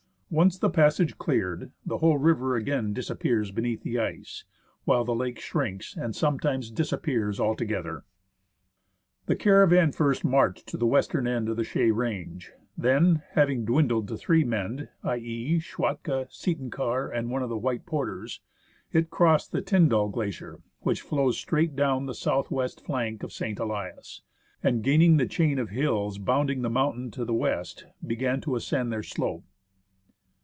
Once the passage cleared, the whole river again disappears beneath the ice ; while the lake shrinks and sometimes disappears altogether. The caravan first marched to the western end of the Chaix range; then (having dwindled to three men, i.e., Schwatka, Seton Karr, and one of the white porters) it crossed the Tyndall Glacier, which flows straight down the south west flank of St. Elias, and gaining the chain of hills bounding the mountain to the west, began to ascend their slope.